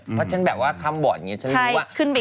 เพราะฉันแบบว่าคำบอกอย่างนี้